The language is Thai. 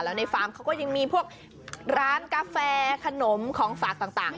แล้วในฟาร์มเขาก็ยังมีพวกร้านกาแฟขนมของฝากต่าง